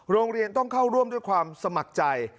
โรงเรียนต้องเข้าร่วมด้วยความสมัครใจ